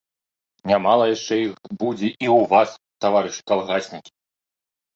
Нямала яшчэ іх будзе і ў вас, таварышы калгаснікі.